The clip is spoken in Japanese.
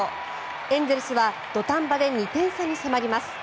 エンゼルスは土壇場で２点差に迫ります。